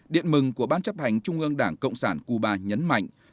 điện mừng của ban chấp hành trung ương đảng cộng sản cuba nhấn mạnh